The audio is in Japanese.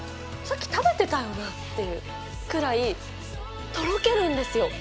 さっき食べてたよな？っていうくらいとろけるんですよ。